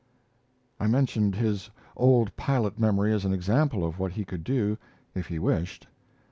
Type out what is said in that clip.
I mentioned his old pilot memory as an example of what he could do if he wished.